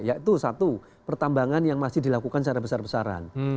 yaitu satu pertambangan yang masih dilakukan secara besar besaran